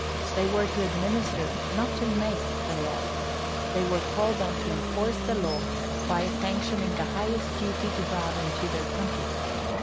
They were to administer, not to make, the law; they were called on to enforce the law, by sanctioning the highest duty to God and to their country.